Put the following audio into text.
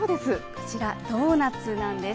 こちら、ドーナツなんです。